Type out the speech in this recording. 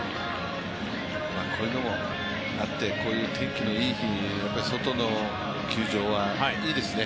こういうのもあって、こういう天気のいい日にやっぱり外の球場はいいですね。